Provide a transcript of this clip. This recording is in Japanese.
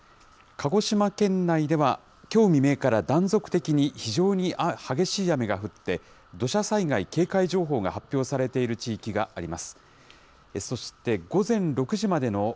鹿児島県内では、きょう未明から断続的に非常に激しい雨が降って、土砂災害警戒情報が発表されている地域があります。